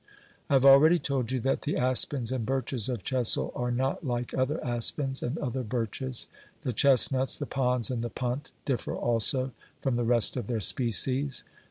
I have already told you that the aspens and birches of Chessel are not like other aspens and other birches; the chestnuts, the ponds and the punt differ also from the rest of their species.